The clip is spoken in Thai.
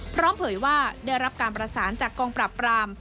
เผยว่าได้รับการประสานจากกองปราบปราม